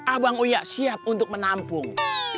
abang uyak siap untuk menampung